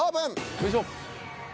よいしょ。